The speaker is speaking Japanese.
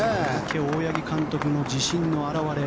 大八木監督の自信の表れ。